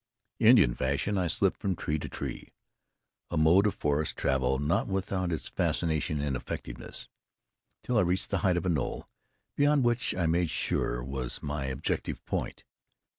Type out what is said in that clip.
Indian fashion, I slipped from tree to tree, a mode of forest travel not without its fascination and effectiveness, till I reached the height of a knoll beyond which I made sure was my objective point.